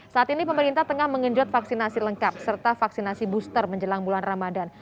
saat ini pemerintah tengah mengenjot vaksinasi lengkap serta vaksinasi booster menjelang bulan ramadan